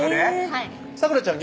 はい咲楽ちゃん